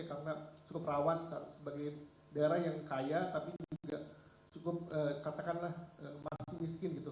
karena cukup rawan sebagai daerah yang kaya tapi juga cukup katakanlah masih miskin gitu